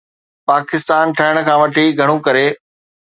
پاڪستان ٺهڻ کان وٺي گهڻو ڪري